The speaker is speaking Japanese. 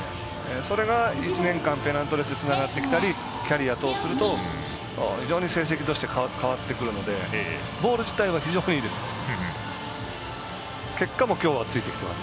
それが１年間ペナントレースにつながってきたりキャリアとすると非常に成績として変わってくるのでボール自体は非常にいいです。